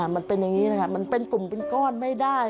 มันเป็นอย่างนี้นะคะมันเป็นกลุ่มเป็นก้อนไม่ได้